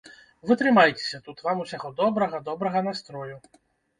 Вы трымайцеся тут, вам усяго добрага, добрага настрою!